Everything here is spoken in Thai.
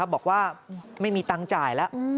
บอกว่าไม่มีตังค์จ่ายแล้ว